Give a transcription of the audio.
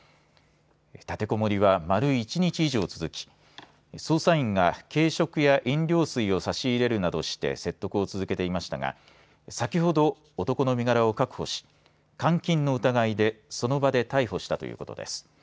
立てこもりは丸１日以上続き捜査員が軽食や飲料水を差し入れるなどして説得を続けていましたが先ほど男の身柄を確保し監禁の疑いでその場で逮捕したということです。